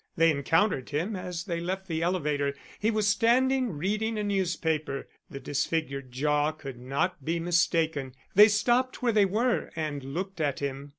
They encountered him as they left the elevator. He was standing reading a newspaper. The disfigured jaw could not be mistaken. They stopped where they were and looked at him.